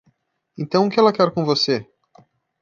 Então o que ela quer com você?